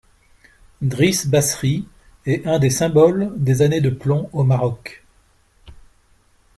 Driss Basri est un des symboles des années de plomb au Maroc.